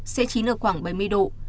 sẽ chín ở khoảng bảy mươi độ